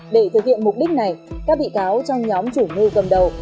để thực hiện mục đích này các bị cáo trong nhóm chủ mưu cầm đầu